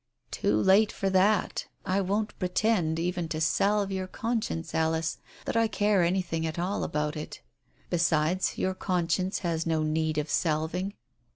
"Too late for that. I won't pretend, even to salve your conscience, Alice, that I care anything at all about it. Besides, your conscience has no need of salving.